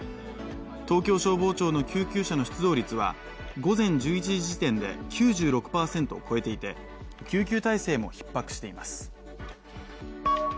東京消防庁の救急車の出動率は午前１１時時点で９６％を超えていて、救急体制もひっ迫しています。